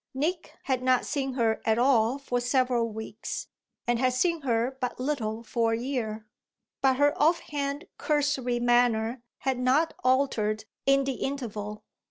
Nick had not seen her at all for several weeks and had seen her but little for a year, but her off hand cursory manner had not altered in the interval.